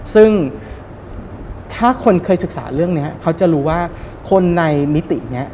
ซึ่งถ้าคนเคยศึกษาเรื่องนี้เขาจะรู้ว่าคนในมิตินี้